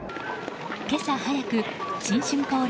今朝早く、新春恒例